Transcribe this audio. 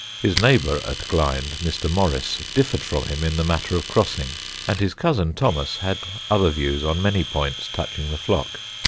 His neighbour at Glynde, Mr. Morris, differed from him in the matter of crossing, and his cousin Thomas had other views on many points touching the flock.